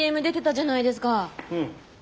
うん。